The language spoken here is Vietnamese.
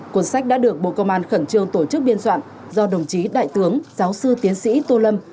cuốn sách đã được bộ công an khẩn trương tổ chức biên soạn do đồng chí đại tướng giáo sư tiến sĩ tô lâm